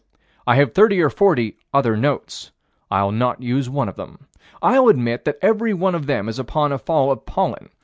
I have thirty or forty other notes. I'll not use one of them. I'll admit that every one of them is upon a fall of pollen.